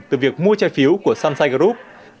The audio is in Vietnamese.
từ việc mua trái phiếu của sunshine group